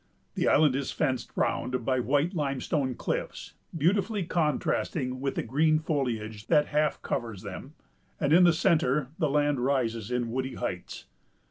The island is fenced round by white limestone cliffs, beautifully contrasting with the green foliage that half covers them, and in the centre the land rises in woody heights.